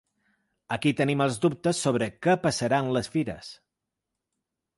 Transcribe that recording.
Aquí tenim els dubtes sobre què passarà amb les fires.